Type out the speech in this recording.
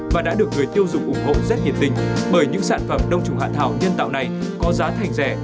và đã được người tiêu dùng ủng hộ rất nhiệt tình bởi những sản phẩm đông trùng hạ thảo nhân tạo này có giá thành rẻ